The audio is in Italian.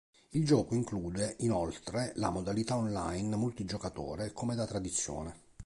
Il gioco include inoltre la modalità online multigiocatore come da tradizione.